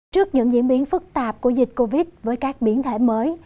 trước những diễn biến phức tạp của dịch covid với các biến thể mới